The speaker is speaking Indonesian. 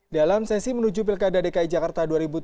dalam sesi menuju pilkada dki jakarta dua ribu tujuh belas